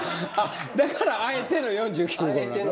だからあえての４９号なの？